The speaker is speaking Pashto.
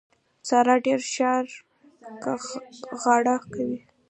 سارا ډېره ښه غاړه کوي.